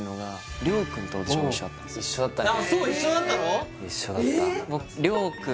一緒だったの？